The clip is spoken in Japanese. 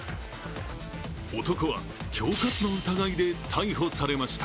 男は恐喝の疑いで逮捕されました。